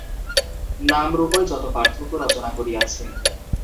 নাম-রূপই যত পার্থক্য রচনা করিয়াছে।